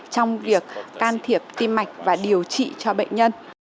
trong việc can thiệp tim mạch và điều trị cho bệnh nhân